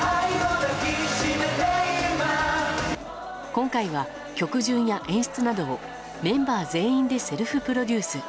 今回は曲順や演出などをメンバー全員でセルフプロデュース。